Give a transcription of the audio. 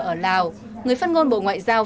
ở lào người phát ngôn bộ ngoại giao